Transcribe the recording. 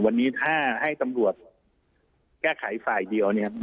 วันนี้ถ้าให้ตำรวจแก้ไขฝ่ายเดียวเนี่ย